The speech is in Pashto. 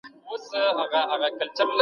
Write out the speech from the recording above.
ولي په کابل کي د صنعت لپاره زیربناوې مهمې دي؟